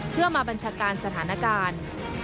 เพื่อมาบัญชาการสถานการณ์